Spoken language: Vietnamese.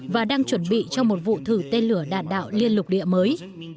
và đang chuẩn bị cho một vụ thử tên lửa đạn đạo liên lục địa mới